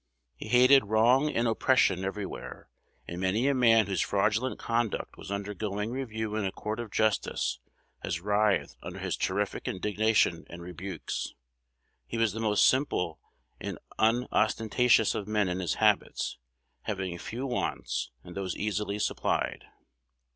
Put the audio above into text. "He hated wrong and oppression everywhere; and many a man whose fraudulent conduct was undergoing review in a court of justice has writhed under his terrific indignation and rebukes. He was the most simple and unostentatious of men in his habits, having few wants, and those easily supplied.